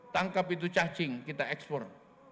tangkap itu cacing kita ekspor